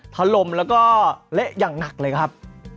ถล่มแล้วก็เละอย่างหนักเลยครับ